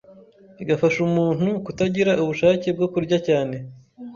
igafash umuntu kutagira ubushake bwo kurya cyane